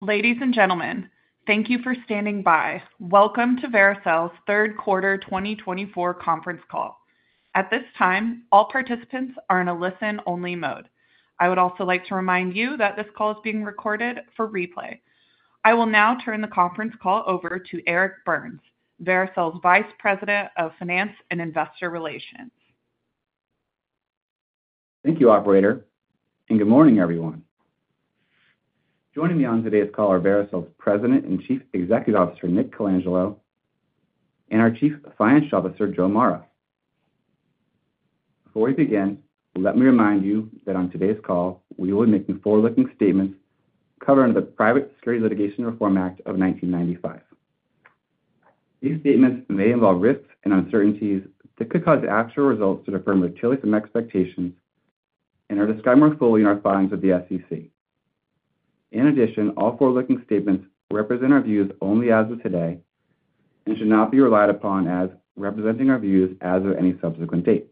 Ladies and gentlemen, thank you for standing by. Welcome to Vericel's Third Quarter 2024 Conference Call. At this time, all participants are in a listen-only mode. I would also like to remind you that this call is being recorded for replay. I will now turn the conference call over to Eric Burns, Vericel's Vice President of Finance and Investor Relations. Thank you, Operator, and good morning, everyone. Joining me on today's call are Vericel's President and Chief Executive Officer, Nick Colangelo, and our Chief Financial Officer, Joe Mara. Before we begin, let me remind you that on today's call, we will be making forward-looking statements covering the Private Securities Litigation Reform Act of 1995. These statements may involve risks and uncertainties that could cause actual results to differ materially from expectations and are described more fully in our filings with the SEC. In addition, all forward-looking statements represent our views only as of today and should not be relied upon as representing our views as of any subsequent date.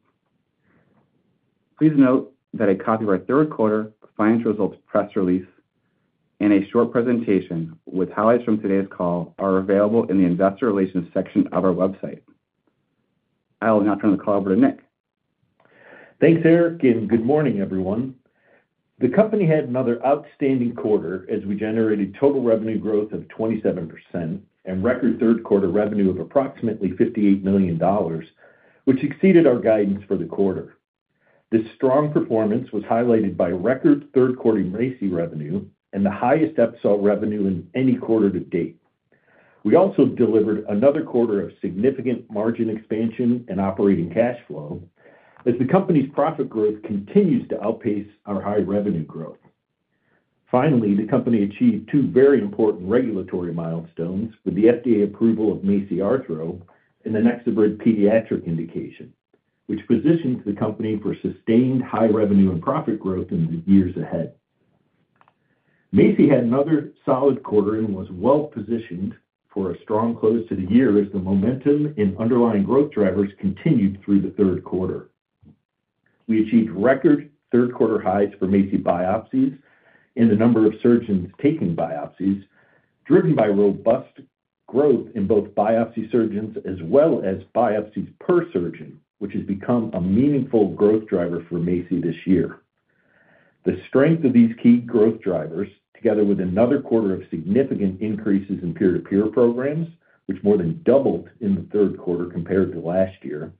Please note that a copy of our third quarter financial results press release and a short presentation with highlights from today's call are available in the Investor Relations section of our website. I will now turn the call over to Nick. Thanks, Eric. And good morning, everyone. The company had another outstanding quarter as we generated total revenue growth of 27% and record third quarter revenue of approximately $58 million, which exceeded our guidance for the quarter. This strong performance was highlighted by record third quarter Epicel revenue and the highest Epicel revenue in any quarter to date. We also delivered another quarter of significant margin expansion and operating cash flow as the company's profit growth continues to outpace our high revenue growth. Finally, the company achieved two very important regulatory milestones with the FDA approval of MACI Arthro and the NexoBrid pediatric indication, which positioned the company for sustained high revenue and profit growth in the years ahead. MACI had another solid quarter and was well positioned for a strong close to the year as the momentum in underlying growth drivers continued through the third quarter. We achieved record third quarter highs for MACI biopsies and the number of surgeons taking biopsies, driven by robust growth in both biopsy surgeons as well as biopsies per surgeon, which has become a meaningful growth driver for MACI this year. The strength of these key growth drivers, together with another quarter of significant increases in peer-to-peer programs, which more than doubled in the third quarter compared to last year,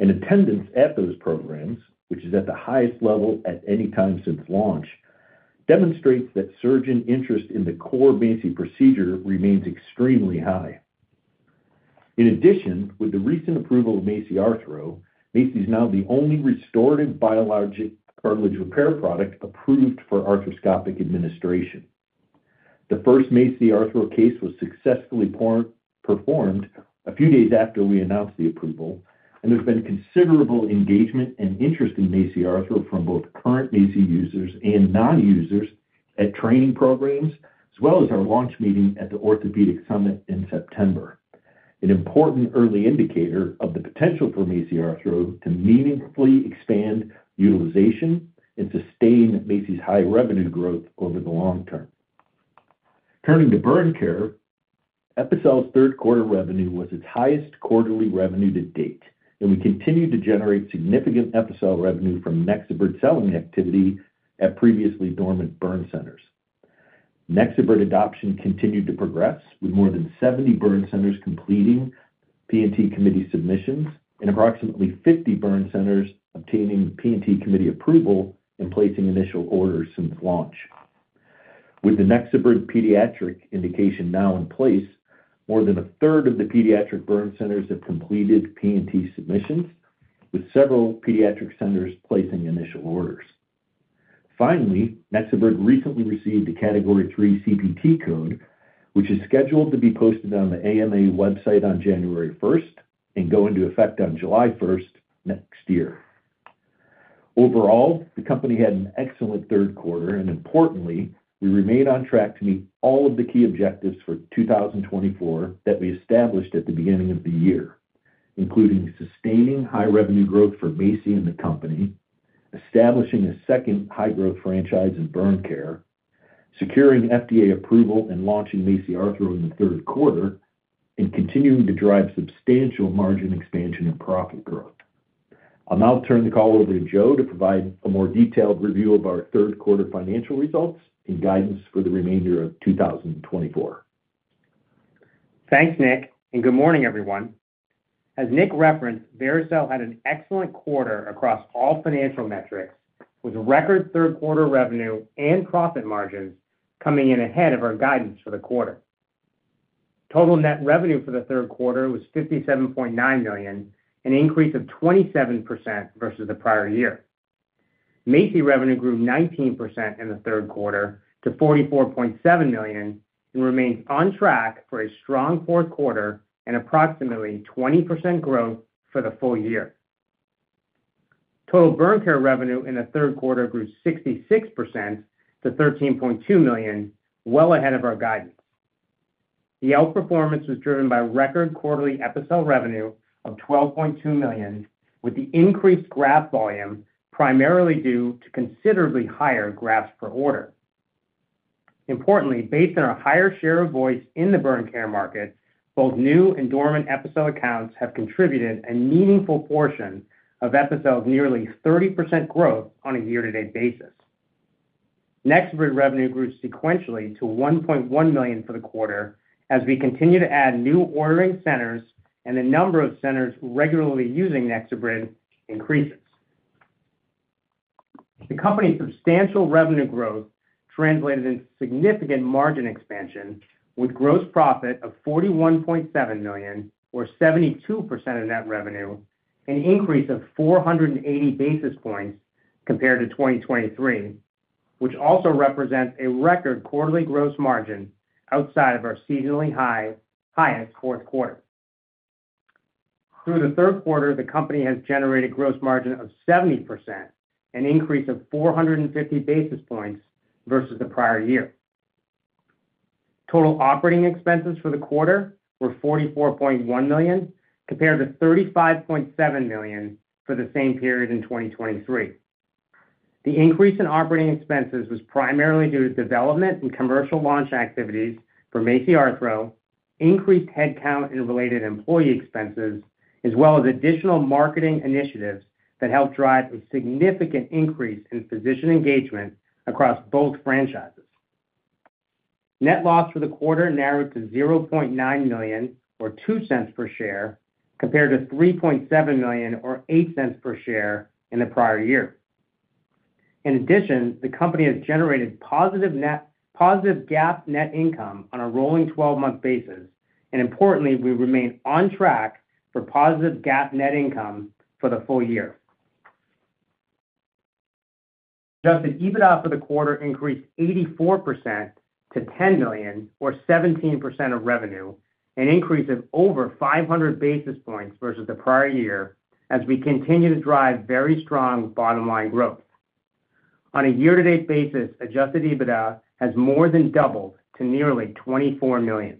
and attendance at those programs, which is at the highest level at any time since launch, demonstrates that surgeon interest in the core MACI procedure remains extremely high. In addition, with the recent approval of MACI Arthro, MACI is now the only restorative biologic cartilage repair product approved for arthroscopic administration. The first MACI Arthro case was successfully performed a few days after we announced the approval, and there's been considerable engagement and interest in MACI Arthro from both current MACI users and non-users at training programs, as well as our launch meeting at the Orthopedic Summit in September, an important early indicator of the potential for MACI Arthro to meaningfully expand utilization and sustain MACI's high revenue growth over the long term. Turning to burn care, Epicel's third quarter revenue was its highest quarterly revenue to date, and we continue to generate significant Epicel revenue from NexoBrid selling activity at previously dormant burn centers. NexoBrid adoption continued to progress, with more than 70 burn centers completing P&T committee submissions and approximately 50 burn centers obtaining P&T committee approval and placing initial orders since launch. With the NexoBrid pediatric indication now in place, more than a third of the pediatric burn centers have completed P&T submissions, with several pediatric centers placing initial orders. Finally, NexoBrid recently received a Category III CPT code, which is scheduled to be posted on the AMA website on January 1st and go into effect on July 1st next year. Overall, the company had an excellent third quarter, and importantly, we remain on track to meet all of the key objectives for 2024 that we established at the beginning of the year, including sustaining high revenue growth for MACI and the company, establishing a second high growth franchise in burn care, securing FDA approval and launching MACI Arthro in the third quarter, and continuing to drive substantial margin expansion and profit growth. I'll now turn the call over to Joe to provide a more detailed review of our third quarter financial results and guidance for the remainder of 2024. Thanks, Nick. And good morning, everyone. As Nick referenced, Vericel had an excellent quarter across all financial metrics, with record third quarter revenue and profit margins coming in ahead of our guidance for the quarter. Total net revenue for the third quarter was $57.9 million, an increase of 27% versus the prior year. MACI revenue grew 19% in the third quarter to $44.7 million and remains on track for a strong fourth quarter and approximately 20% growth for the full year. Total burn care revenue in the third quarter grew 66%-$13.2 million, well ahead of our guidance. The outperformance was driven by record quarterly Epicel revenue of $12.2 million, with the increased graft volume primarily due to considerably higher grafts per order. Importantly, based on our higher share of voice in the burn care market, both new and dormant Epicel accounts have contributed a meaningful portion of Epicel's nearly 30% growth on a year-to-date basis. NexoBrid revenue grew sequentially to $1.1 million for the quarter as we continue to add new ordering centers, and the number of centers regularly using NexoBrid increases. The company's substantial revenue growth translated into significant margin expansion, with gross profit of $41.7 million, or 72% of net revenue, an increase of 480 basis points compared to 2023, which also represents a record quarterly gross margin outside of our seasonally highest fourth quarter. Through the third quarter, the company has generated a gross margin of 70%, an increase of 450 basis points versus the prior year. Total operating expenses for the quarter were $44.1 million, compared to $35.7 million for the same period in 2023. The increase in operating expenses was primarily due to development and commercial launch activities for MACI Arthro, increased headcount and related employee expenses, as well as additional marketing initiatives that helped drive a significant increase in physician engagement across both franchises. Net loss for the quarter narrowed to $0.9 million, or $0.02 per share, compared to $3.7 million, or $0.08 per share in the prior year. In addition, the company has generated positive GAAP net income on a rolling 12-month basis, and importantly, we remain on track for positive GAAP net income for the full year. Adjusted EBITDA for the quarter increased 84%-$10 million, or 17% of revenue, an increase of over 500 basis points versus the prior year as we continue to drive very strong bottom-line growth. On a year-to-date basis, Adjusted EBITDA has more than doubled to nearly $24 million.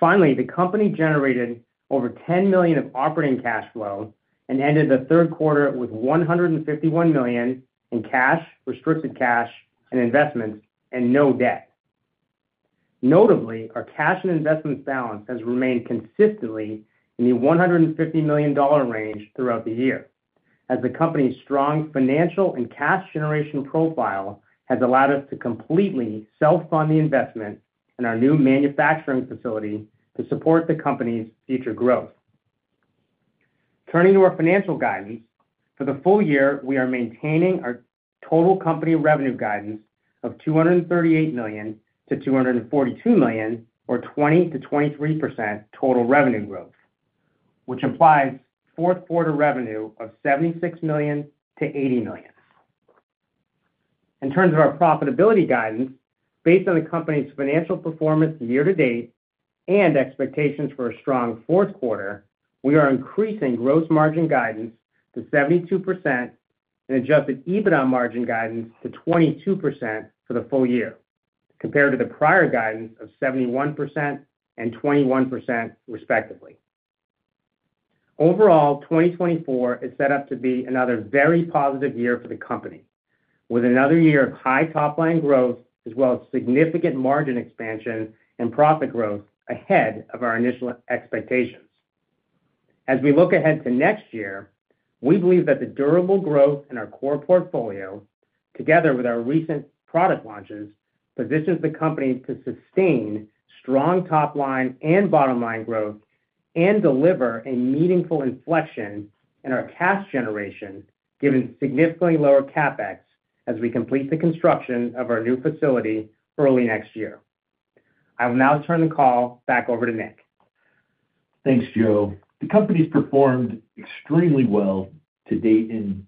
Finally, the company generated over $10 million of operating cash flow and ended the third quarter with $151 million in cash, restricted cash, and investments, and no debt. Notably, our cash and investments balance has remained consistently in the $150 million range throughout the year as the company's strong financial and cash generation profile has allowed us to completely self-fund the investment in our new manufacturing facility to support the company's future growth. Turning to our financial guidance, for the full year, we are maintaining our total company revenue guidance of $238 million-$242 million, or 20%-23% total revenue growth, which implies fourth quarter revenue of $76 million-$80 million. In terms of our profitability guidance, based on the company's financial performance year-to-date and expectations for a strong fourth quarter, we are increasing gross margin guidance to 72% and Adjusted EBITDA margin guidance to 22% for the full year compared to the prior guidance of 71% and 21%, respectively. Overall, 2024 is set up to be another very positive year for the company, with another year of high top-line growth, as well as significant margin expansion and profit growth ahead of our initial expectations. As we look ahead to next year, we believe that the durable growth in our core portfolio, together with our recent product launches, positions the company to sustain strong top-line and bottom-line growth and deliver a meaningful inflection in our cash generation, given significantly lower CapEx as we complete the construction of our new facility early next year. I will now turn the call back over to Nick. Thanks, Joe. The company's performed extremely well to date in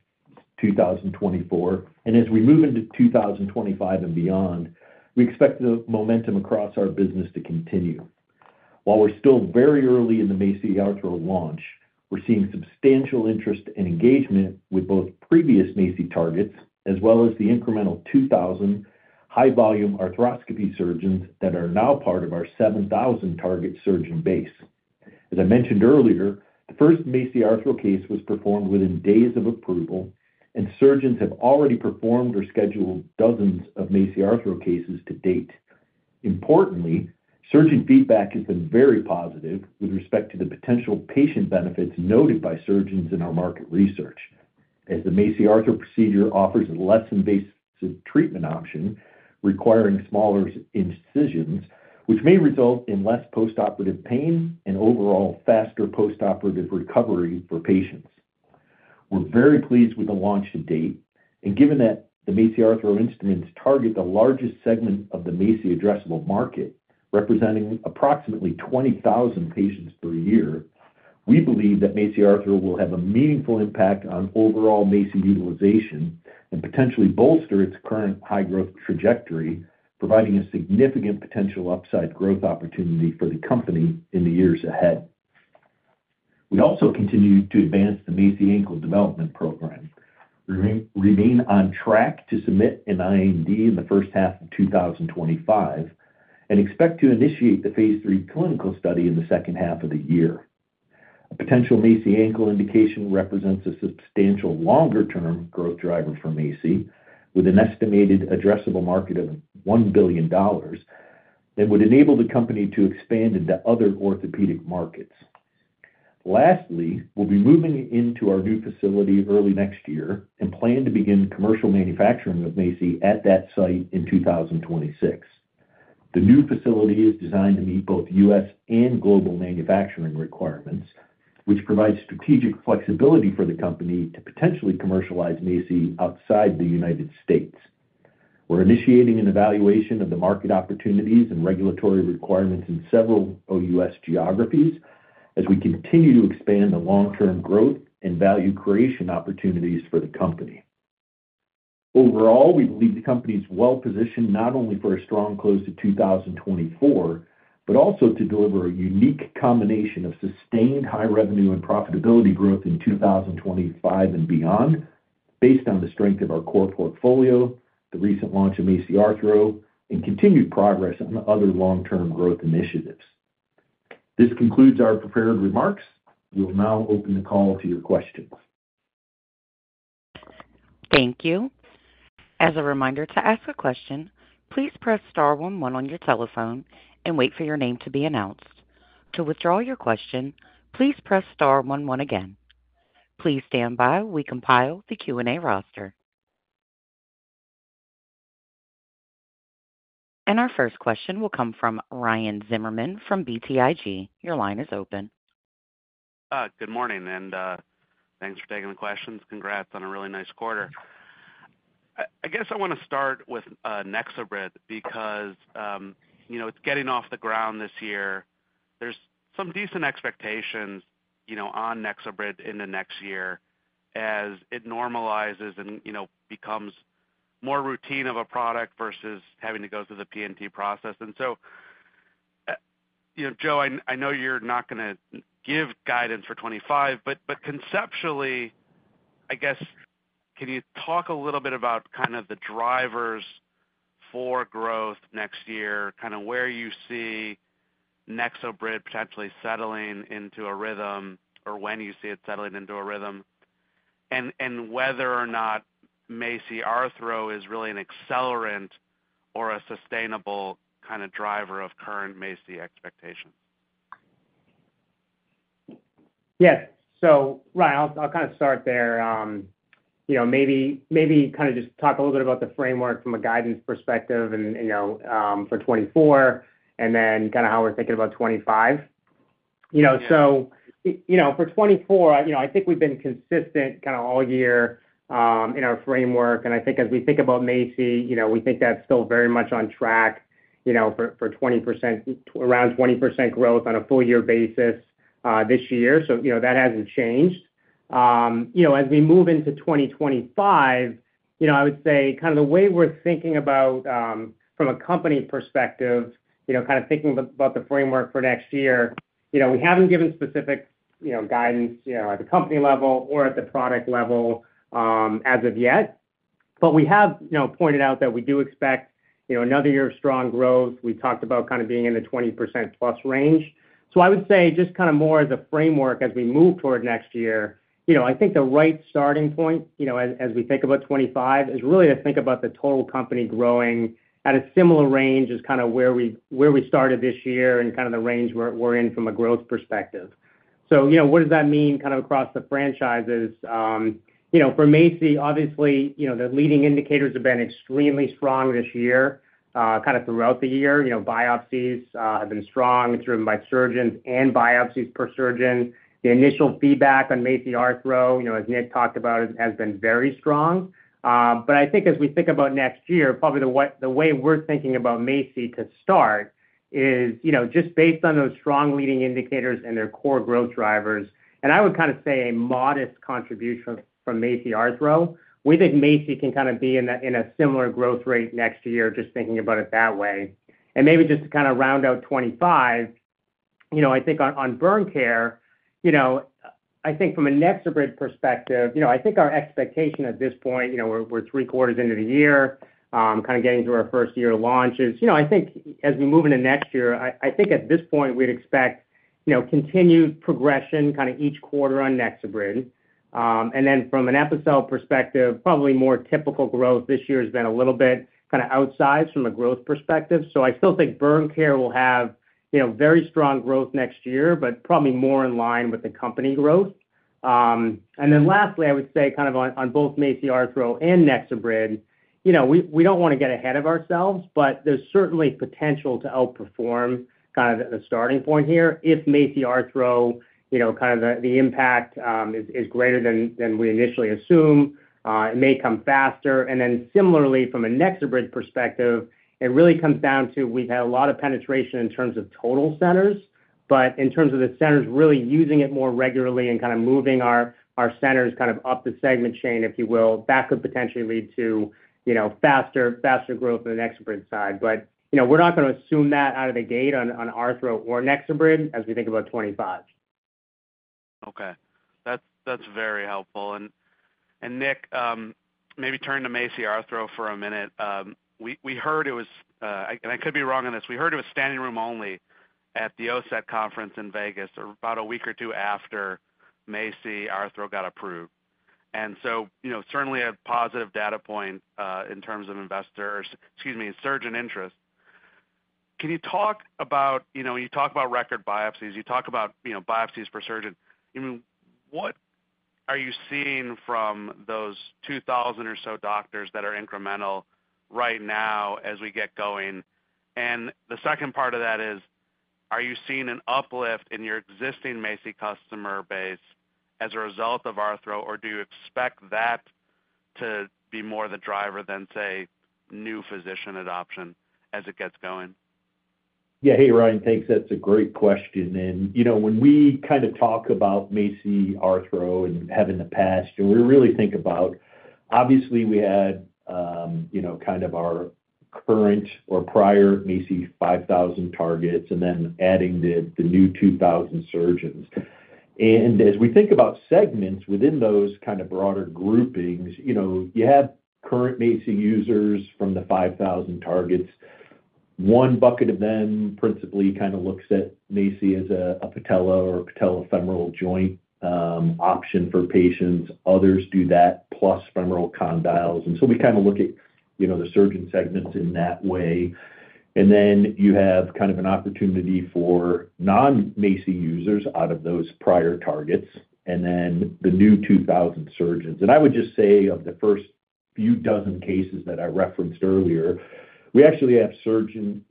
2024, and as we move into 2025 and beyond, we expect the momentum across our business to continue. While we're still very early in the MACI Arthro launch, we're seeing substantial interest and engagement with both previous MACI targets as well as the incremental 2,000 high-volume arthroscopy surgeons that are now part of our 7,000 target surgeon base. As I mentioned earlier, the first MACI Arthro case was performed within days of approval, and surgeons have already performed or scheduled dozens of MACI Arthro cases to date. Importantly, surgeon feedback has been very positive with respect to the potential patient benefits noted by surgeons in our market research, as the MACI Arthro procedure offers a less invasive treatment option requiring smaller incisions, which may result in less postoperative pain and overall faster postoperative recovery for patients. We're very pleased with the launch to date, and given that the MACI Arthro instruments target the largest segment of the MACI addressable market, representing approximately 20,000 patients per year, we believe that MACI Arthro will have a meaningful impact on overall MACI utilization and potentially bolster its current high-growth trajectory, providing a significant potential upside growth opportunity for the company in the years ahead. We also continue to advance the MACI ankle development program. We remain on track to submit an IND in the first half of 2025 and expect to initiate the phase III clinical study in the second half of the year. A potential MACI ankle indication represents a substantial longer-term growth driver for MACI, with an estimated addressable market of $1 billion, and would enable the company to expand into other orthopedic markets. Lastly, we'll be moving into our new facility early next year and plan to begin commercial manufacturing of MACI at that site in 2026. The new facility is designed to meet both U.S. and global manufacturing requirements, which provides strategic flexibility for the company to potentially commercialize MACI outside the United States. We're initiating an evaluation of the market opportunities and regulatory requirements in several U.S. geographies as we continue to expand the long-term growth and value creation opportunities for the company. Overall, we believe the company is well positioned not only for a strong close to 2024, but also to deliver a unique combination of sustained high revenue and profitability growth in 2025 and beyond, based on the strength of our core portfolio, the recent launch of MACI Arthro, and continued progress on other long-term growth initiatives. This concludes our prepared remarks. We will now open the call to your questions. Thank you. As a reminder to ask a question, please press star one one on your telephone and wait for your name to be announced. To withdraw your question, please press star one one again. Please stand by while we compile the Q&A roster. And our first question will come from Ryan Zimmerman from BTIG. Your line is open. Good morning, and thanks for taking the questions. Congrats on a really nice quarter. I guess I want to start with NexoBrid because it's getting off the ground this year. There's some decent expectations on NexoBrid into next year as it normalizes and becomes more routine of a product versus having to go through the P&T process. And so, Joe, I know you're not going to give guidance for 2025, but conceptually, I guess, can you talk a little bit about kind of the drivers for growth next year, kind of where you see NexoBrid potentially settling into a rhythm, or when you see it settling into a rhythm, and whether or not MACI Arthro is really an accelerant or a sustainable kind of driver of current MACI expectations? Yes. So, Ry, I'll kind of start there. Maybe kind of just talk a little bit about the framework from a guidance perspective for 2024 and then kind of how we're thinking about 2025. So for 2024, I think we've been consistent kind of all year in our framework, and I think as we think about MACI, we think that's still very much on track for around 20% growth on a full-year basis this year. So that hasn't changed. As we move into 2025, I would say kind of the way we're thinking about, from a company perspective, kind of thinking about the framework for next year, we haven't given specific guidance at the company level or at the product level as of yet, but we have pointed out that we do expect another year of strong growth. We talked about kind of being in the 20% plus range. So I would say just kind of more as a framework as we move toward next year, I think the right starting point as we think about 2025 is really to think about the total company growing at a similar range as kind of where we started this year and kind of the range we're in from a growth perspective. So what does that mean kind of across the franchises? For MACI, obviously, the leading indicators have been extremely strong this year, kind of throughout the year. Biopsies have been strong through biopsy surgeons and biopsies per surgeon. The initial feedback on MACI Arthro, as Nick talked about, has been very strong. But I think as we think about next year, probably the way we're thinking about MACI to start is just based on those strong leading indicators and their core growth drivers, and I would kind of say a modest contribution from MACI Arthro. We think MACI can kind of be in a similar growth rate next year, just thinking about it that way. And maybe just to kind of round out 2025, I think on burn care, I think from a NexoBrid perspective, I think our expectation at this point, we're three quarters into the year, kind of getting to our first year of launches. I think as we move into next year, I think at this point, we'd expect continued progression kind of each quarter on NexoBrid. And then, from an episode perspective, probably more typical growth this year has been a little bit kind of outsized from a growth perspective. So I still think burn care will have very strong growth next year, but probably more in line with the company growth. And then lastly, I would say kind of on both MACI Arthro and NexoBrid, we don't want to get ahead of ourselves, but there's certainly potential to outperform kind of the starting point here if MACI Arthro kind of the impact is greater than we initially assume. It may come faster. Then similarly, from a NexoBrid perspective, it really comes down to we've had a lot of penetration in terms of total centers, but in terms of the centers really using it more regularly and kind of moving our centers kind of up the segment chain, if you will, that could potentially lead to faster growth on the NexoBrid side. But we're not going to assume that out of the gate on Arthro or NexoBrid as we think about 2025. Okay. That's very helpful. And Nick, maybe turn to MACI Arthro for a minute. We heard it was, and I could be wrong on this, we heard it was standing room only at the OSET conference in Vegas about a week or two after MACI Arthro got approved. And so certainly a positive data point in terms of investors, excuse me, surgeon interest. Can you talk about when you talk about record biopsies, you talk about biopsies per surgeon, what are you seeing from those 2,000 or so doctors that are incremental right now as we get going? And the second part of that is, are you seeing an uplift in your existing MACI customer base as a result of Arthro, or do you expect that to be more the driver than, say, new physician adoption as it gets going? Yeah. Hey, Ryan, thanks. That's a great question. And when we kind of talk about MACI Arthro and have in the past, we really think about, obviously, we had kind of our current or prior MACI 5,000 targets and then adding the new 2,000 surgeons. And as we think about segments within those kind of broader groupings, you have current MACI users from the 5,000 targets. One bucket of them principally kind of looks at MACI as a patella or patellofemoral joint option for patients. Others do that plus femoral condyles, and so we kind of look at the surgeon segments in that way. And then you have kind of an opportunity for non-MACI users out of those prior targets and then the new 2,000 surgeons. I would just say of the first few dozen cases that I referenced earlier, we actually have surgeons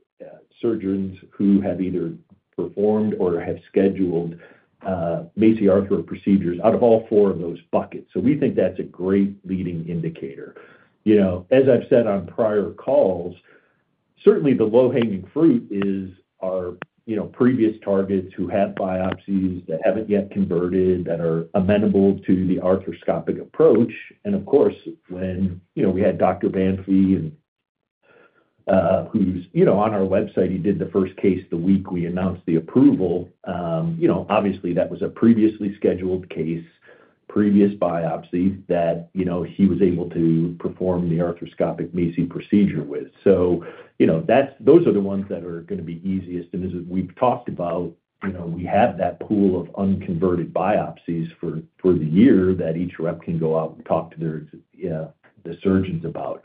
who have either performed or have scheduled MACI Arthro procedures out of all four of those buckets. We think that's a great leading indicator. As I've said on prior calls, certainly the low-hanging fruit is our previous targets who have biopsies that haven't yet converted, that are amenable to the arthroscopic approach. Of course, when we had Dr. Banffy, who's on our website, he did the first case the week we announced the approval. Obviously, that was a previously scheduled case, previous biopsy that he was able to perform the arthroscopic MACI procedure with. Those are the ones that are going to be easiest. And as we've talked about, we have that pool of unconverted biopsies for the year that each rep can go out and talk to the surgeons about.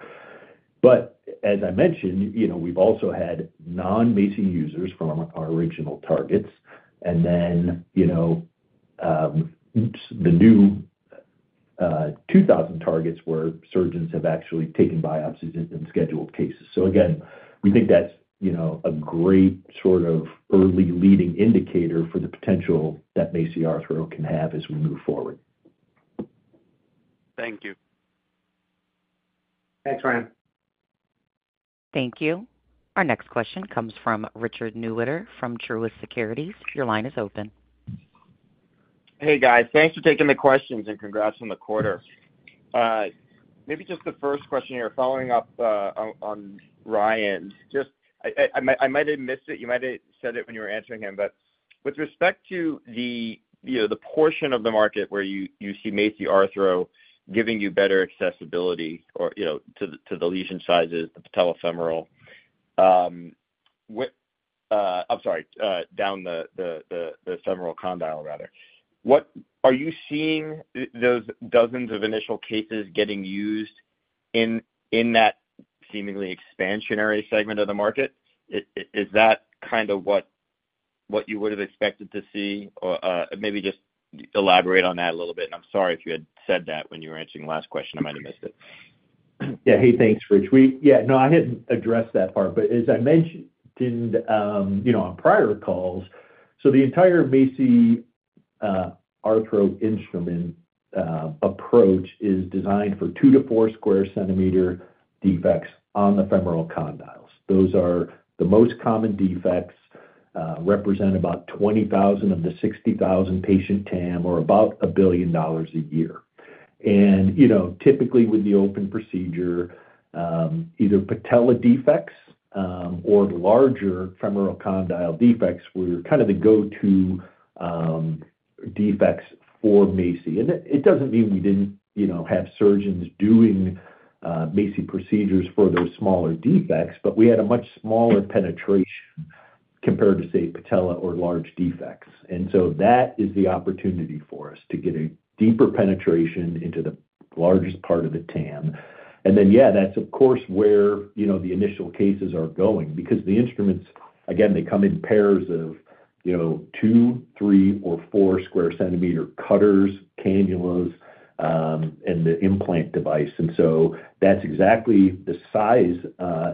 But as I mentioned, we've also had non-MACI users from our original targets, and then the new 2,000 targets where surgeons have actually taken biopsies in scheduled cases. So again, we think that's a great sort of early leading indicator for the potential that MACI Arthro can have as we move forward. Thank you. Thanks, Ryan. Thank you. Our next question comes from Richard Newitter from Truist Securities. Your line is open. Hey, guys. Thanks for taking the questions and congrats on the quarter. Maybe just the first question here, following up on Ryan, I might have missed it. You might have said it when you were answering him, but with respect to the portion of the market where you see MACI Arthro giving you better accessibility to the lesion sizes, the patellofemoral, I'm sorry, down the femoral condyle, rather, are you seeing those dozens of initial cases getting used in that seemingly expansionary segment of the market? Is that kind of what you would have expected to see? Maybe just elaborate on that a little bit. And I'm sorry if you had said that when you were answering the last question. I might have missed it. Yeah. Hey, thanks, Rich. Yeah. No, I hadn't addressed that part, but as I mentioned on prior calls, so the entire MACI Arthro instrument approach is designed for 2-4 sq cm defects on the femoral condyles. Those are the most common defects, represent about 20,000 of the 60,000 patient TAM, or about $1 billion a year. And typically, with the open procedure, either patella defects or larger femoral condyle defects were kind of the go-to defects for MACI. And it doesn't mean we didn't have surgeons doing MACI procedures for those smaller defects, but we had a much smaller penetration compared to, say, patella or large defects. And so that is the opportunity for us to get a deeper penetration into the largest part of the TAM. And then, yeah, that's, of course, where the initial cases are going because the instruments, again, they come in pairs of two, three, or four square centimeter cutters, cannulas, and the implant device. And so that's exactly the size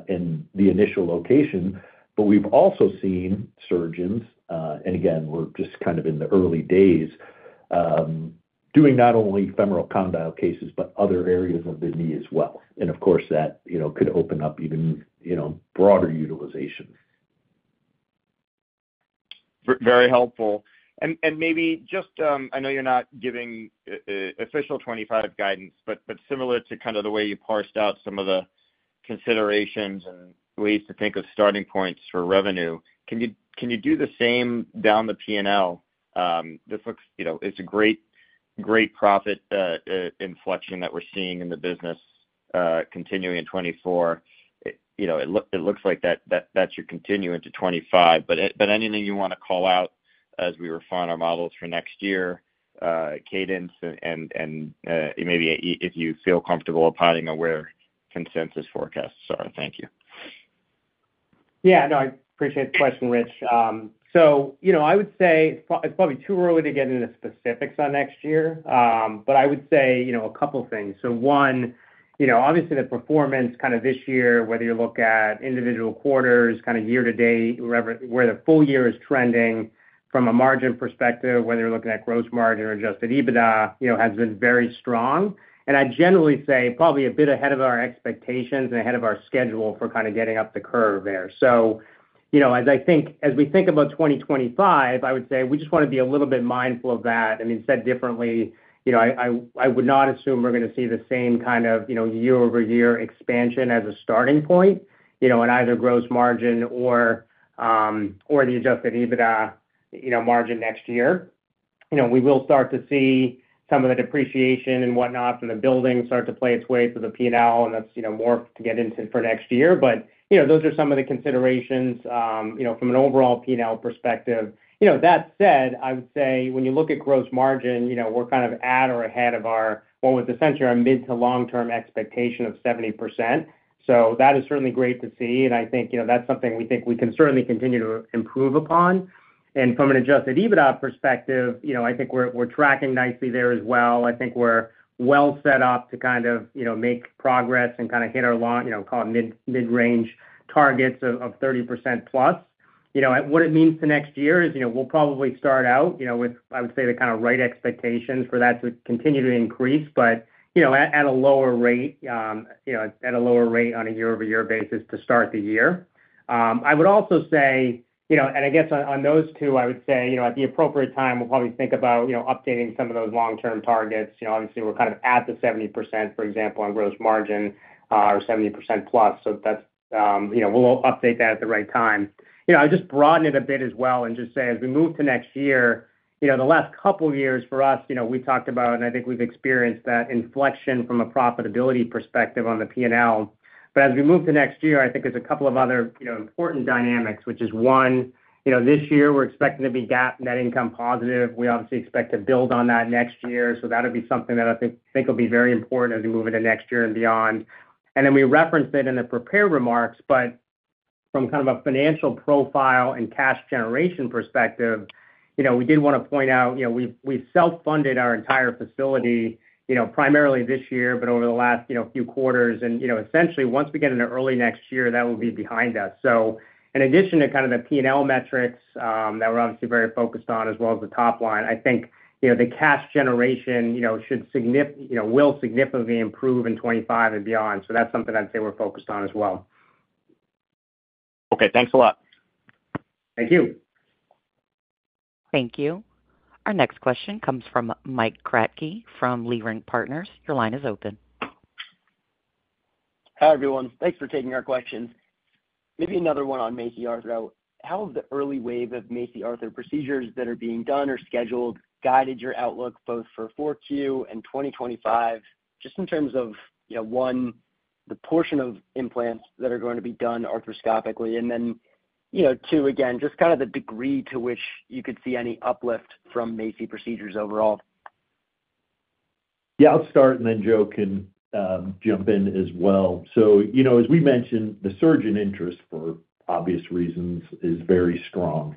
and the initial location. But we've also seen surgeons, and again, we're just kind of in the early days, doing not only femoral condyle cases, but other areas of the knee as well. And of course, that could open up even broader utilization. Very helpful. And maybe just, I know you're not giving official 2025 guidance, but similar to kind of the way you parsed out some of the considerations and ways to think of starting points for revenue, can you do the same down the P&L? This looks like it's a great profit inflection that we're seeing in the business continuing in 2024. It looks like that's continuing to 2025. But anything you want to call out as we refine our models for next year, cadence, and maybe if you feel comfortable applying a consensus forecast? Sorry. Thank you. Yeah. No, I appreciate the question, Rich. So I would say it's probably too early to get into specifics on next year, but I would say a couple of things. So one, obviously, the performance kind of this year, whether you look at individual quarters, kind of year to date, where the full year is trending from a margin perspective, whether you're looking at gross margin or adjusted EBITDA, has been very strong. And I'd generally say probably a bit ahead of our expectations and ahead of our schedule for kind of getting up the curve there. So as I think as we think about 2025, I would say we just want to be a little bit mindful of that. I mean, said differently, I would not assume we're going to see the same kind of year-over-year expansion as a starting point in either gross margin or the Adjusted EBITDA margin next year. We will start to see some of the depreciation and whatnot from the building start to play its way through the P&L, and that's more to get into for next year. But those are some of the considerations from an overall P&L perspective. That said, I would say when you look at gross margin, we're kind of at or ahead of our what was essentially our mid to long-term expectation of 70%. So that is certainly great to see. And I think that's something we think we can certainly continue to improve upon and from an Adjusted EBITDA perspective, I think we're tracking nicely there as well. I think we're well set up to kind of make progress and kind of hit our call it mid-range targets of 30% plus. What it means for next year is we'll probably start out with, I would say, the kind of right expectations for that to continue to increase, but at a lower rate, at a lower rate on a year-over-year basis to start the year. I would also say, and I guess on those two, I would say at the appropriate time, we'll probably think about updating some of those long-term targets. Obviously, we're kind of at the 70%, for example, on gross margin or 70% plus. So we'll update that at the right time. I'll just broaden it a bit as well and just say as we move to next year, the last couple of years for us, we talked about, and I think we've experienced that inflection from a profitability perspective on the P&L, but as we move to next year, I think there's a couple of other important dynamics, which is one, this year, we're expecting to be net income positive. We obviously expect to build on that next year, so that would be something that I think will be very important as we move into next year and beyond, and then we referenced it in the prepared remarks, but from kind of a financial profile and cash generation perspective, we did want to point out we self-funded our entire facility primarily this year, but over the last few quarters. Essentially, once we get into early next year, that will be behind us. So in addition to kind of the P&L metrics that we're obviously very focused on, as well as the top line, I think the cash generation will significantly improve in 2025 and beyond. So that's something I'd say we're focused on as well. Okay. Thanks a lot. Thank you. Thank you. Our next question comes from Mike Kratky from Leerink Partners. Your line is open. Hi everyone. Thanks for taking our questions. Maybe another one on MACI Arthro. How have the early wave of MACI Arthro procedures that are being done or scheduled guided your outlook both for 2024 and 2025, just in terms of, one, the portion of implants that are going to be done arthroscopically, and then, two, again, just kind of the degree to which you could see any uplift from MACI procedures overall? Yeah. I'll start and then Joe can jump in as well. So as we mentioned, the surgeon interest for obvious reasons is very strong.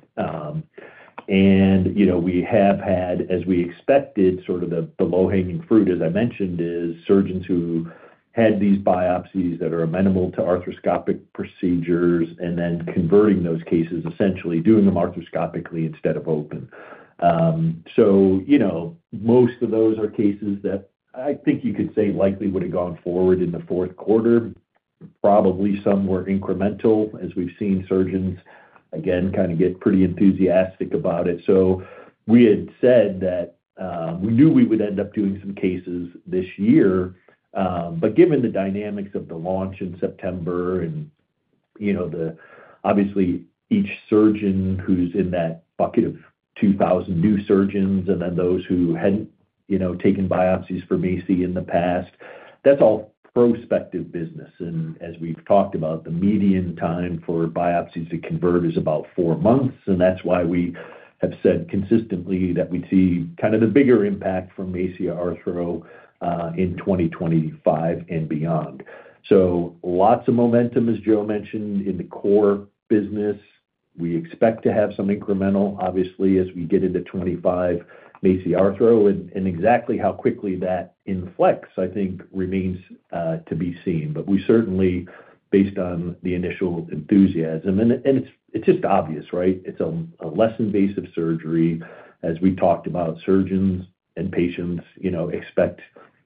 And we have had, as we expected, sort of the low-hanging fruit, as I mentioned, is surgeons who had these biopsies that are amenable to arthroscopic procedures and then converting those cases, essentially doing them arthroscopically instead of open. So most of those are cases that I think you could say likely would have gone forward in the fourth quarter. Probably some were incremental as we've seen surgeons, again, kind of get pretty enthusiastic about it. So we had said that we knew we would end up doing some cases this year, but given the dynamics of the launch in September and obviously each surgeon who's in that bucket of 2,000 new surgeons and then those who hadn't taken biopsies for MACI in the past, that's all prospective business. And as we've talked about, the median time for biopsies to convert is about four months. And that's why we have said consistently that we'd see kind of the bigger impact from MACI Arthro in 2025 and beyond. So lots of momentum, as Joe mentioned, in the core business. We expect to have some incremental, obviously, as we get into 2025, MACI Arthro. And exactly how quickly that inflects, I think, remains to be seen. But we certainly, based on the initial enthusiasm, and it's just obvious, right? It's a less invasive surgery. As we talked about, surgeons and patients expect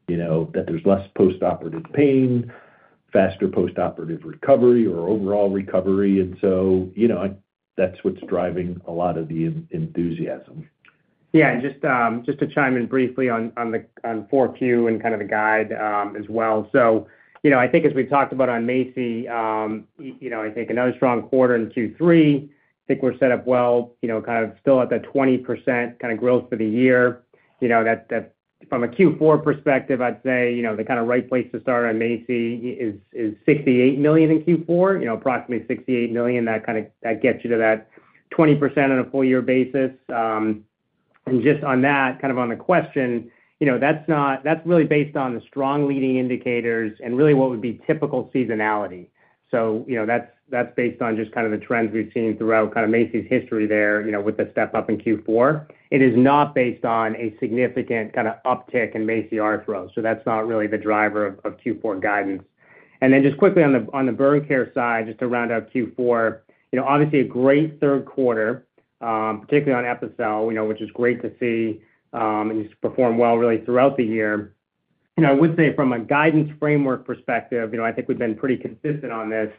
that there's less post-operative pain, faster post-operative recovery, or overall recovery, and so that's what's driving a lot of the enthusiasm. Yeah. And just to chime in briefly on 2024 and kind of the guide as well. So I think as we talked about on MACI, I think another strong quarter in 2023, I think we're set up well, kind of still at that 20% kind of growth for the year. From a 2024 perspective, I'd say the kind of right place to start on MACI is $68 million in 2024, approximately $68 million. That gets you to that 20% on a full-year basis. And just on that, kind of on the question, that's really based on the strong leading indicators and really what would be typical seasonality. So that's based on just kind of the trends we've seen throughout kind of MACI's history there with the step-up in 2024. It is not based on a significant kind of uptick in MACI Arthro. That's not really the driver of 2024 guidance. And then just quickly on the burn care side, just to round out 2024, obviously a great third quarter, particularly on Epicel, which is great to see and just perform well really throughout the year. And I would say from a guidance framework perspective, I think we've been pretty consistent on this.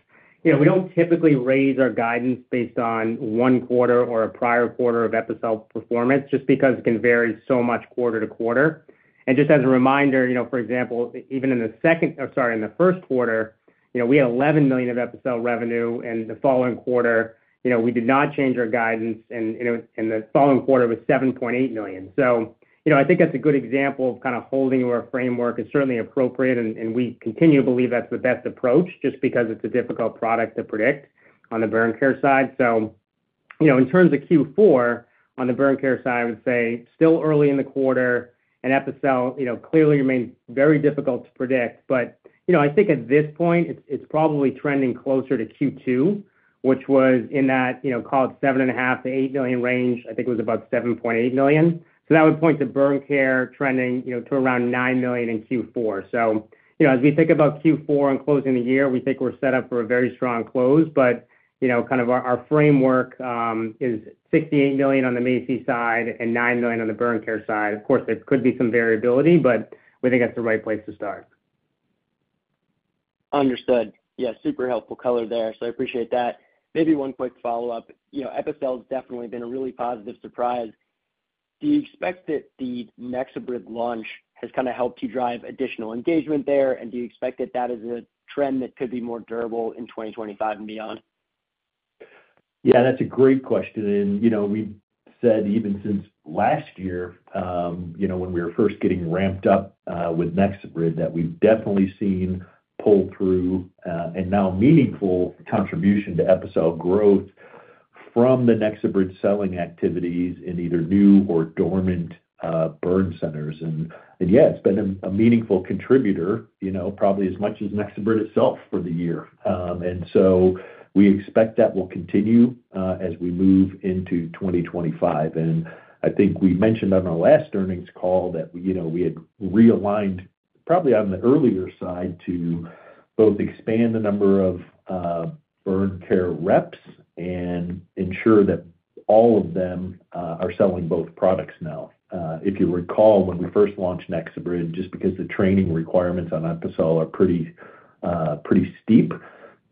We don't typically raise our guidance based on one quarter or a prior quarter of Epicel performance just because it can vary so much quarter to quarter. And just as a reminder, for example, even in the second or sorry, in the first quarter, we had $11 million of Epicel revenue. And the following quarter, we did not change our guidance. And the following quarter was $7.8 million. So I think that's a good example of kind of holding our framework is certainly appropriate. We continue to believe that's the best approach just because it's a difficult product to predict on the burn care side. In terms of 2024, on the burn care side, I would say still early in the quarter, and Epicel clearly remains very difficult to predict. I think at this point, it's probably trending closer to 2022, which was in that call it $7.5-$8 million range. I think it was about $7.8 million. That would point to burn care trending to around $9 million in 2024. As we think about 2024 and closing the year, we think we're set up for a very strong close. Kind of our framework is $68 million on the MACI side and $9 million on the burn care side. Of course, there could be some variability, but we think that's the right place to start. Understood. Yeah. Super helpful color there. So I appreciate that. Maybe one quick follow-up. Epicel has definitely been a really positive surprise. Do you expect that the NexoBrid launch has kind of helped you drive additional engagement there? And do you expect that that is a trend that could be more durable in 2025 and beyond? Yeah. That's a great question. And we've said even since last year when we were first getting ramped up with NexoBrid that we've definitely seen pull-through and now meaningful contribution to Epicel growth from the NexoBrid selling activities in either new or dormant burn centers. And yeah, it's been a meaningful contributor, probably as much as NexoBrid itself for the year. And so we expect that will continue as we move into 2025. And I think we mentioned on our last earnings call that we had realigned probably on the earlier side to both expand the number of burn care reps and ensure that all of them are selling both products now. If you recall, when we first launched NexoBrid, just because the training requirements on Epicel are pretty steep,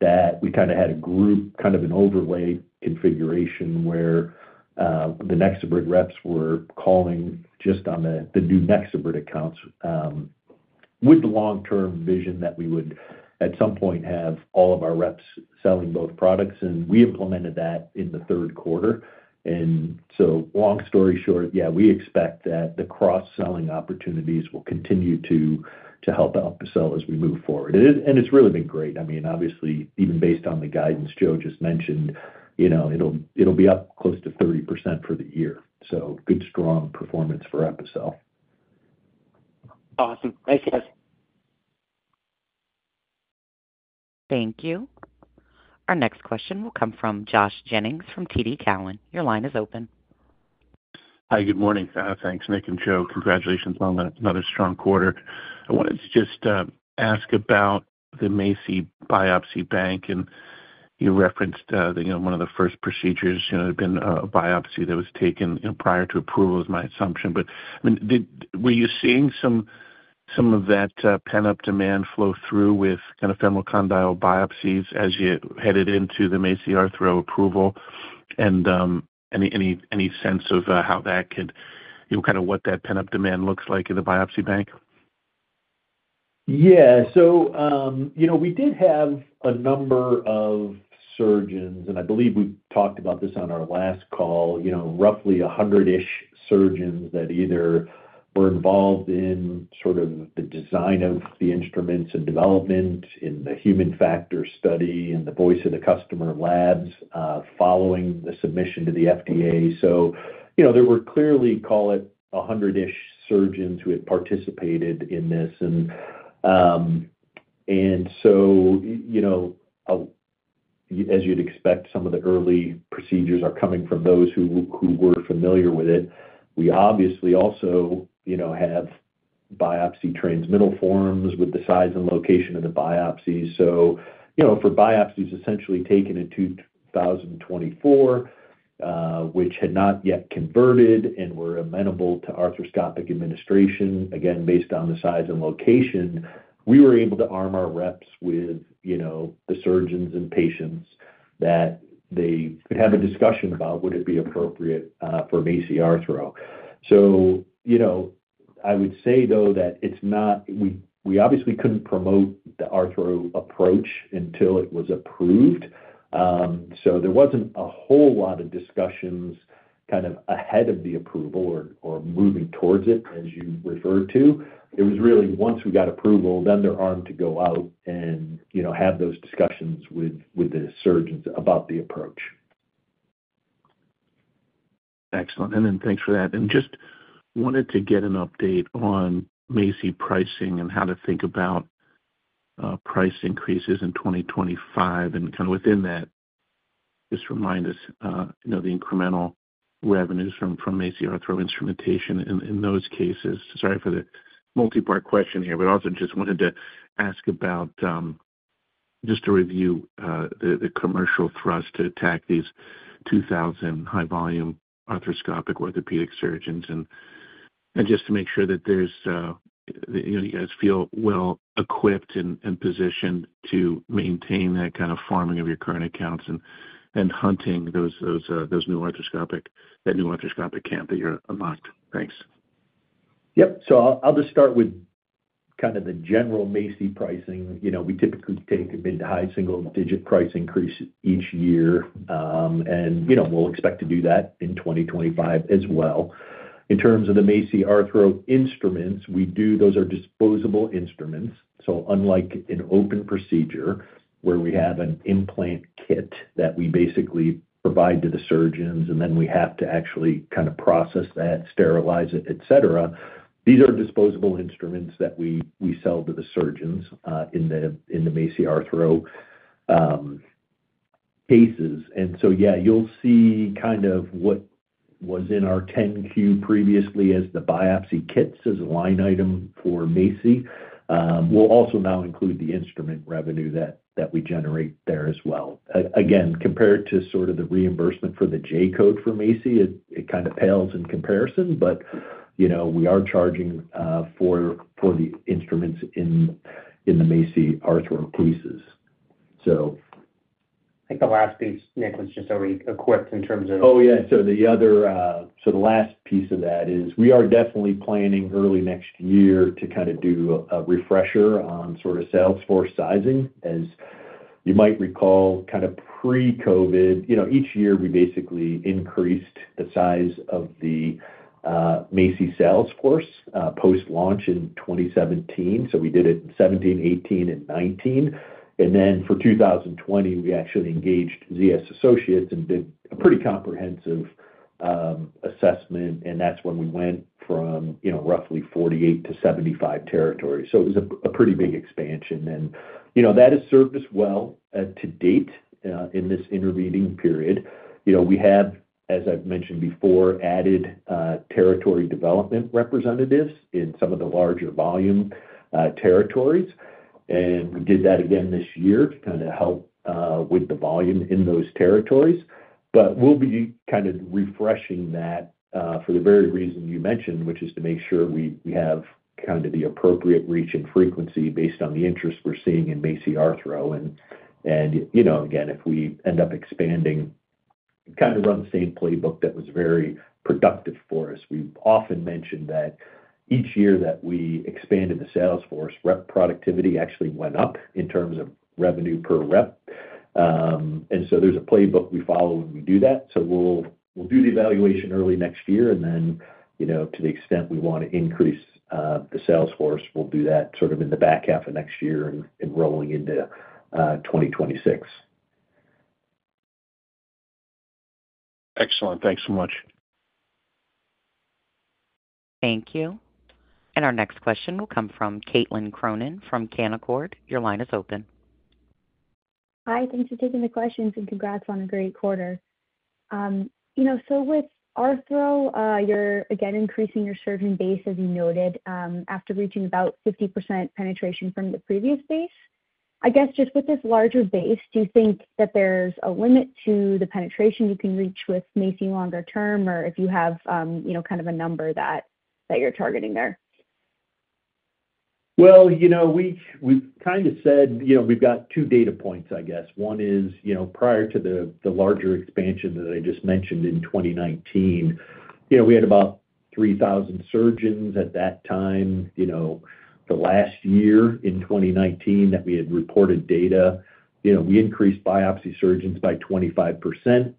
that we kind of had a group kind of an overlay configuration where the NexoBrid reps were calling just on the new NexoBrid accounts with the long-term vision that we would at some point have all of our reps selling both products. And we implemented that in the third quarter. And so long story short, yeah, we expect that the cross-selling opportunities will continue to help Epicel as we move forward. And it's really been great. I mean, obviously, even based on the guidance Joe just mentioned, it'll be up close to 30% for the year. So good, strong performance for Epicel. Awesome. Thanks, guys. Thank you. Our next question will come from Josh Jennings from TD Cowen. Your line is open. Hi. Good morning. Thanks, Nick and Joe. Congratulations on another strong quarter. I wanted to just ask about the MACI Biopsy Bank. And you referenced one of the first procedures. There had been a biopsy that was taken prior to approval, is my assumption. But I mean, were you seeing some of that pent-up demand flow through with kind of femoral condyle biopsies as you headed into the MACI Arthro approval? And any sense of how that could kind of what that pent-up demand looks like in the biopsy bank? Yeah. So we did have a number of surgeons, and I believe we talked about this on our last call, roughly 100-ish surgeons that either were involved in sort of the design of the instruments and development in the human factor study and the voice of the customer labs following the submission to the FDA. So there were clearly, call it 100-ish surgeons who had participated in this. And so as you'd expect, some of the early procedures are coming from those who were familiar with it. We obviously also have biopsy transmittal forms with the size and location of the biopsies. For biopsies essentially taken in 2024, which had not yet converted and were amenable to arthroscopic administration, again, based on the size and location, we were able to arm our reps with the surgeons and patients that they could have a discussion about would it be appropriate for MACI Arthro. I would say, though, that it's not we obviously couldn't promote the Arthro approach until it was approved. There wasn't a whole lot of discussions kind of ahead of the approval or moving towards it, as you referred to. It was really once we got approval, then they're armed to go out and have those discussions with the surgeons about the approach. Excellent. And then thanks for that. And just wanted to get an update on MACI pricing and how to think about price increases in 2025. And kind of within that, just remind us the incremental revenues from MACI Arthro instrumentation in those cases. Sorry for the multi-part question here, but also just wanted to ask about just to review the commercial thrust to attack these 2,000 high-volume arthroscopic orthopedic surgeons. And just to make sure that you guys feel well-equipped and positioned to maintain that kind of farming of your current accounts and hunting that new arthroscopic camp that you're unlocked. Thanks. Yep. So I'll just start with kind of the general MACI pricing. We typically take a mid to high single-digit price increase each year. And we'll expect to do that in 2025 as well. In terms of the MACI Arthro instruments, those are disposable instruments. So unlike an open procedure where we have an implant kit that we basically provide to the surgeons, and then we have to actually kind of process that, sterilize it, etc., these are disposable instruments that we sell to the surgeons in the MACI Arthro cases. And so, yeah, you'll see kind of what was in our 10-Q previously as the biopsy kits as a line item for MACI. We'll also now include the instrument revenue that we generate there as well. Again, compared to sort of the reimbursement for the J code for MACI, it kind of pales in comparison, but we are charging for the instruments in the MACI Arthro cases. I think the last piece, Nick, was just already equipped in terms of. Oh, yeah, so the last piece of that is we are definitely planning early next year to kind of do a refresher on sort of sales force sizing. As you might recall, kind of pre-COVID, each year we basically increased the size of the MACI sales force post-launch in 2017, so we did it in 2017, 2018, and 2019. And then for 2020, we actually engaged ZS Associates and did a pretty comprehensive assessment, and that's when we went from roughly 48 to 75 territories, so it was a pretty big expansion, and that has served us well to date in this intervening period. We have, as I've mentioned before, added territory development representatives in some of the larger volume territories, and we did that again this year to kind of help with the volume in those territories. But we'll be kind of refreshing that for the very reason you mentioned, which is to make sure we have kind of the appropriate reach and frequency based on the interest we're seeing in MACI Arthro. And again, if we end up expanding, kind of run the same playbook that was very productive for us. We've often mentioned that each year that we expanded the sales force, rep productivity actually went up in terms of revenue per rep. And so there's a playbook we follow when we do that. So we'll do the evaluation early next year. And then to the extent we want to increase the sales force, we'll do that sort of in the back half of next year and rolling into 2026. Excellent. Thanks so much. Thank you. And our next question will come from Caitlin Cronin from Canaccord. Your line is open. Hi. Thanks for taking the questions and congrats on a great quarter. So with Arthro, you're again increasing your surgeon base as you noted after reaching about 50% penetration from the previous base. I guess just with this larger base, do you think that there's a limit to the penetration you can reach with MACI longer term or if you have kind of a number that you're targeting there? We've kind of said we've got two data points, I guess. One is prior to the larger expansion that I just mentioned in 2019, we had about 3,000 surgeons at that time. The last year in 2019 that we had reported data, we increased biopsy surgeons by 25%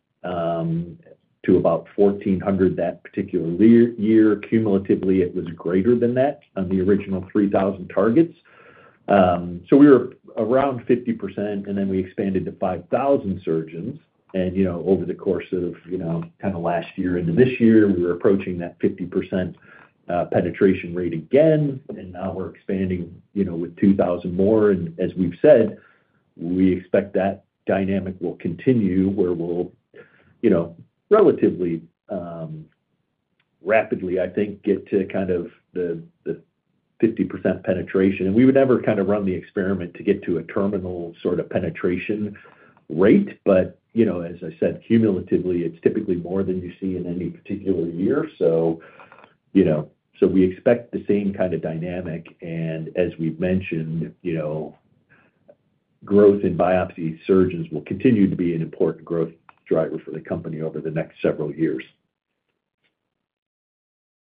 to about 1,400 that particular year. Cumulatively, it was greater than that on the original 3,000 targets. So we were around 50%, and then we expanded to 5,000 surgeons. And over the course of kind of last year into this year, we were approaching that 50% penetration rate again. And now we're expanding with 2,000 more. And as we've said, we expect that dynamic will continue where we'll relatively rapidly, I think, get to kind of the 50% penetration. And we would never kind of run the experiment to get to a terminal sort of penetration rate. But as I said, cumulatively, it's typically more than you see in any particular year. So we expect the same kind of dynamic. And as we've mentioned, growth in biopsy surgeons will continue to be an important growth driver for the company over the next several years.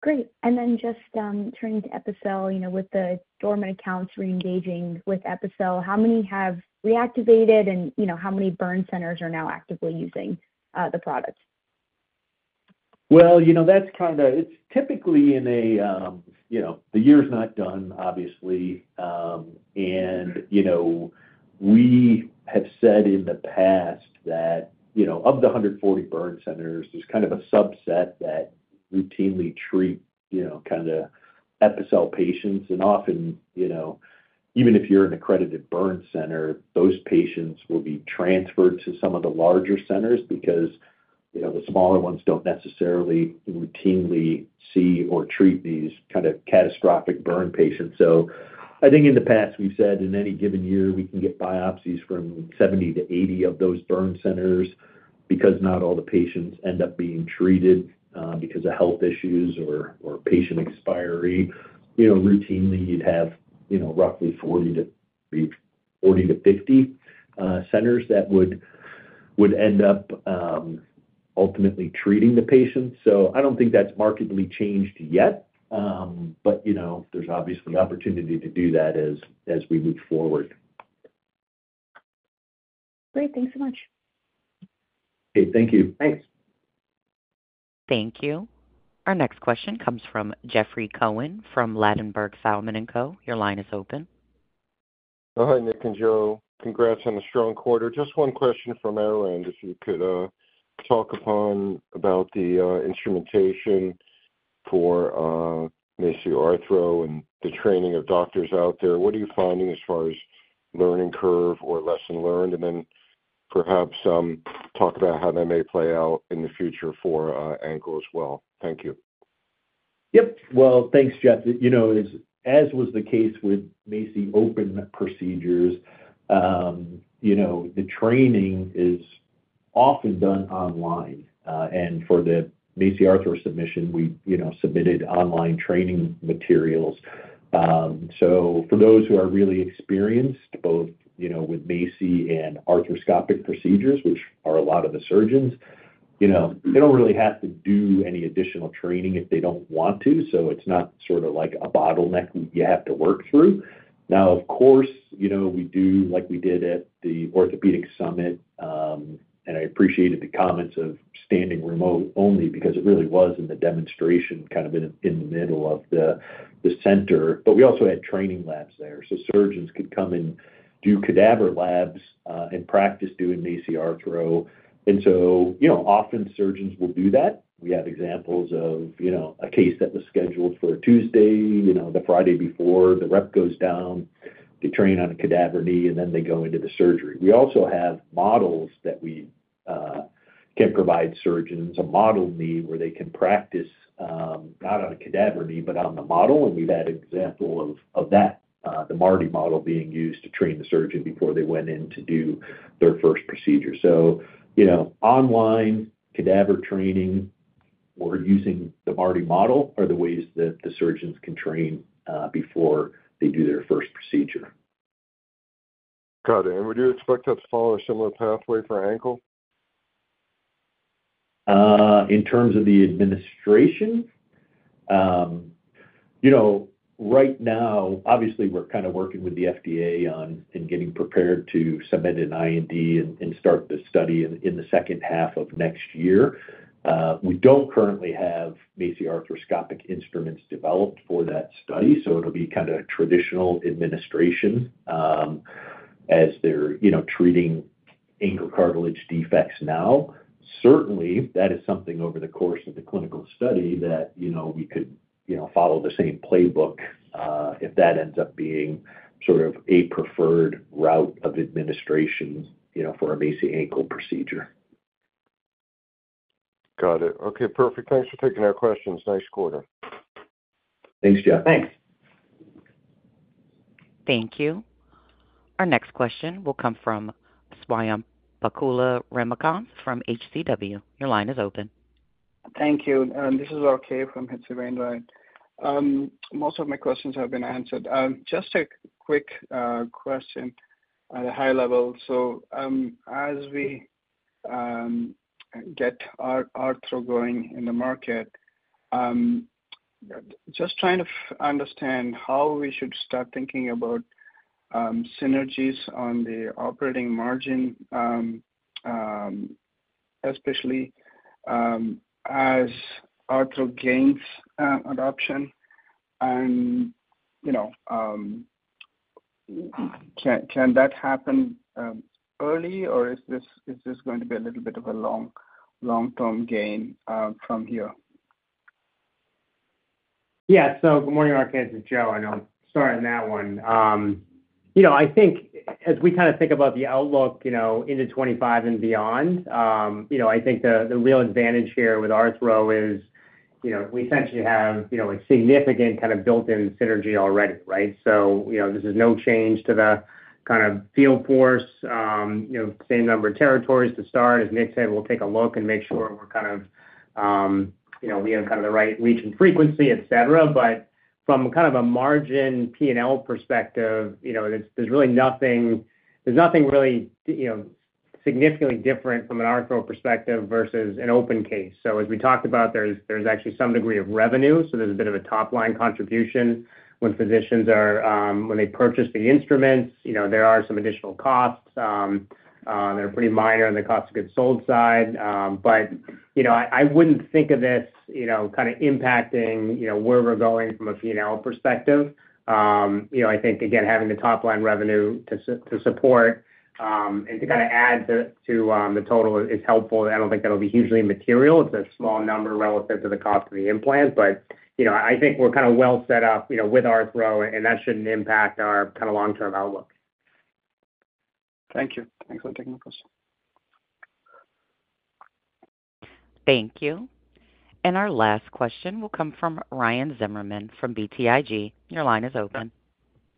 Great. And then just turning to Epicel, with the dormant accounts re-engaging with Epicel, how many have reactivated, and how many burn centers are now actively using the product? That's kind of it. The year's not done, obviously. And we have said in the past that of the 140 burn centers, there's kind of a subset that routinely treat kind of Epicel patients. And often, even if you're an accredited burn center, those patients will be transferred to some of the larger centers because the smaller ones don't necessarily routinely see or treat these kind of catastrophic burn patients. So I think in the past, we've said in any given year, we can get biopsies from 70-80 of those burn centers because not all the patients end up being treated because of health issues or patient expiry. Routinely, you'd have roughly 40-50 centers that would end up ultimately treating the patients. So I don't think that's markedly changed yet, but there's obviously opportunity to do that as we move forward. Great. Thanks so much. Okay. Thank you. Thanks. Thank you. Our next question comes from Jeffrey Cohen from Ladenburg Thalmann & Co. Your line is open. Hi, Nick and Joe. Congrats on a strong quarter. Just one question from our end, if you could talk upon about the instrumentation for MACI Arthro and the training of doctors out there. What are you finding as far as learning curve or lesson learned? And then perhaps talk about how that may play out in the future for ankle as well. Thank you. Yep. Well, thanks, Jeff. As was the case with MACI open procedures, the training is often done online. And for the MACI Arthro submission, we submitted online training materials. So for those who are really experienced both with MACI and arthroscopic procedures, which are a lot of the surgeons, they don't really have to do any additional training if they don't want to. So it's not sort of like a bottleneck you have to work through. Now, of course, we do like we did at the Orthopedic Summit. And I appreciated the comments of standing room only because it really was in the demonstration kind of in the middle of the center. But we also had training labs there. So surgeons could come and do cadaver labs and practice doing MACI Arthro. And so often, surgeons will do that. We have examples of a case that was scheduled for Tuesday. The Friday before, the rep goes down, they train on a cadaver knee, and then they go into the surgery. We also have models that we can provide surgeons, a model knee where they can practice not on a cadaver knee, but on the model. And we've had an example of that, the MARTI model being used to train the surgeon before they went in to do their first procedure. So online cadaver training or using the MARTI model are the ways that the surgeons can train before they do their first procedure. Got it. And would you expect that to follow a similar pathway for ankle? In terms of the administration, right now, obviously, we're kind of working with the FDA and getting prepared to submit an IND and start the study in the second half of next year. We don't currently have MACI arthroscopic instruments developed for that study. So it'll be kind of a traditional administration as they're treating ankle cartilage defects now. Certainly, that is something over the course of the clinical study that we could follow the same playbook if that ends up being sort of a preferred route of administration for a MACI ankle procedure. Got it. Okay. Perfect. Thanks for taking our questions. Nice quarter. Thanks, Jeff. Thanks. Thank you. Our next question will come from Swayam Ramakanth from HCW. Your line is open. Thank you. This is RK from HCW. Most of my questions have been answered. Just a quick question at a high level, so as we get Arthro going in the market, just trying to understand how we should start thinking about synergies on the operating margin, especially as Arthro gains adoption, and can that happen early, or is this going to be a little bit of a long-term gain from here? Yeah. So, good morning, RK. This is Joe. I'm sorry on that one. I think as we kind of think about the outlook into 2025 and beyond, I think the real advantage here with Arthro is we essentially have significant kind of built-in synergy already, right? So this is no change to the kind of field force, same number of territories to start. As Nick said, we'll take a look and make sure we have kind of the right reach and frequency, etc. But from kind of a margin P&L perspective, there's really nothing significantly different from an Arthro perspective versus an open case. So as we talked about, there's actually some degree of revenue. So there's a bit of a top-line contribution when they purchase the instruments. There are some additional costs that are pretty minor on the cost of goods sold side. But I wouldn't think of this kind of impacting where we're going from a P&L perspective. I think, again, having the top-line revenue to support and to kind of add to the total is helpful. I don't think that'll be hugely material. It's a small number relative to the cost of the implant. But I think we're kind of well set up with Arthro, and that shouldn't impact our kind of long-term outlook. Thank you. Thanks for taking the question. Thank you. And our last question will come from Ryan Zimmerman from BTIG. Your line is open.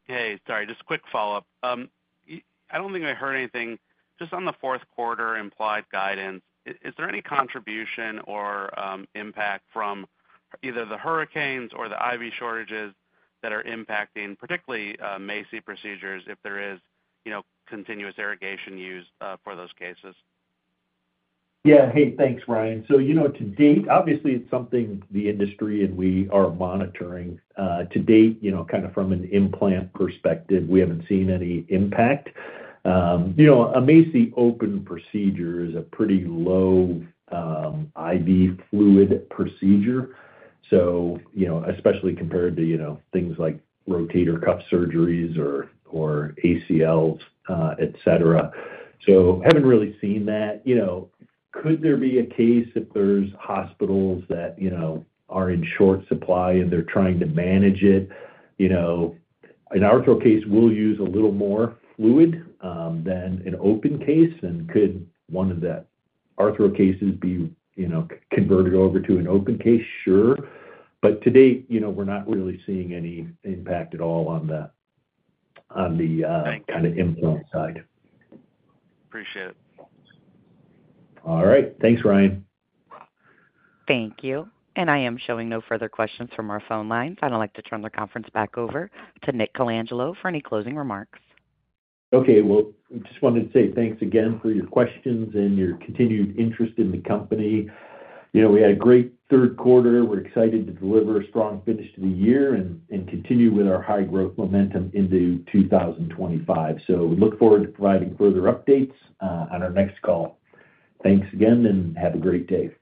Hey. Sorry. Just a quick follow-up. I don't think I heard anything. Just on the fourth quarter implied guidance, is there any contribution or impact from either the hurricanes or the IV shortages that are impacting particularly MACI procedures if there is continuous irrigation used for those cases? Yeah. Hey, thanks, Ryan. So to date, obviously, it's something the industry and we are monitoring. To date, kind of from an implant perspective, we haven't seen any impact. A MACI open procedure is a pretty low IV fluid procedure, especially compared to things like rotator cuff surgeries or ACLs, etc. So haven't really seen that. Could there be a case if there's hospitals that are in short supply and they're trying to manage it? An Arthro case will use a little more fluid than an open case. And could one of the Arthro cases be converted over to an open case? Sure. But to date, we're not really seeing any impact at all on the kind of implant side. Appreciate it. All right. Thanks, Ryan. Thank you, and I am showing no further questions from our phone lines. I'd like to turn the conference back over to Nick Colangelo for any closing remarks. Okay. Well, I just wanted to say thanks again for your questions and your continued interest in the company. We had a great third quarter. We're excited to deliver a strong finish to the year and continue with our high-growth momentum into 2025. So we look forward to providing further updates on our next call. Thanks again, and have a great day.